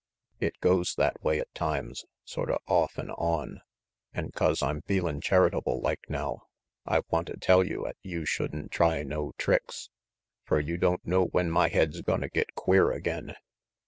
It goes that way at times, sorta off an' on. An' 'cause I'm feelin' charitable like now, I wanta tell you 'at you should'n try no tricks, fer you don't know when my head's gonna get queer again.